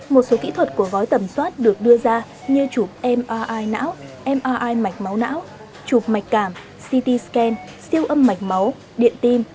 một số kỹ thuật của gói tầm soát được đưa ra như chụp mri não mr máu não chụp mạch cảm city scan siêu âm mạch máu điện tim